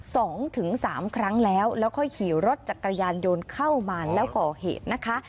สองถึงสามครั้งแล้วแล้วค่อยขี่รถจักรยานยนต์เข้ามาแล้วก่อเหตุนะคะ